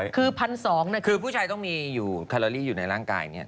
คือ๑๒๐๐บาทคือผู้ชายต้องมีอยู่แคลอรี่อยู่ในร่างกายเนี่ย